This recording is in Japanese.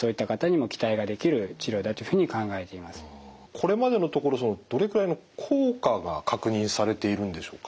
これまでのところどれくらいの効果が確認されているんでしょうか？